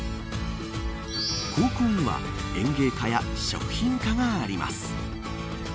高校には園芸科や食品科があります。